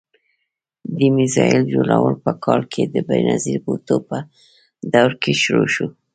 د میزایل جوړول په کال کې د بېنظیر بوټو په دور کې شروع شو.